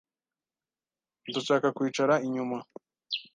Ndashaka kwicara inyuma.